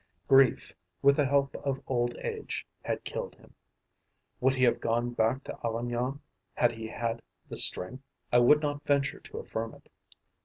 Grief, with the help of old age, had killed him. Would he have gone back to Avignon, had he had the strength? I would not venture to affirm it.